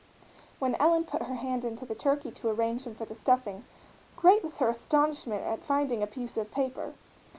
When Ellen put her hand into the turkey to arrange him for the stuffing, great was her astonishment at finding a piece of paper.